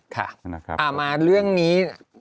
ค่ะมาเรื่องนี้